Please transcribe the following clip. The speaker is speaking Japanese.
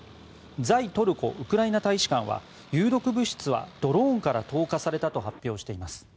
在トルコウクライナ大使館は有毒物質はドローンから投下されたと発表しています。